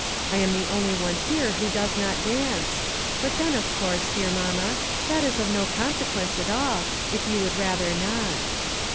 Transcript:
I am the only one here who does not dance ; but then, of course, dear mamma, that is of no consequence at all, if you would rather not."